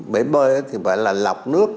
bể bơi thì phải là lọc nước